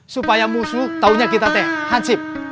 supaya musuh taunya kita teh hansip